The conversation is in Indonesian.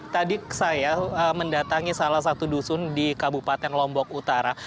tadi saya mendatangi salah satu dusun di kabupaten lombok utara